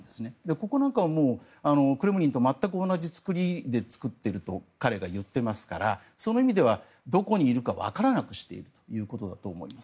ここなんかはクレムリンと全く同じ作りで作っていると彼が言っていますからその意味ではどこにいるかわからなくしているということだと思います。